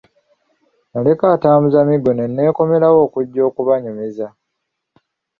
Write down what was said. Naleka atambuza miggo ne neekomerawo okujja okubanyumiza.